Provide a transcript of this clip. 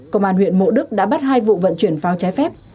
công an huyện mộ đức đã bắt hai vụ vận chuyển pháo trái phép